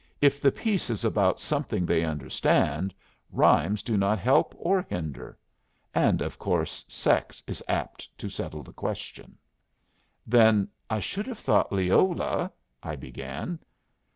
If the piece is about something they understand, rhymes do not help or hinder. And of course sex is apt to settle the question." "Then I should have thought Leola " I began.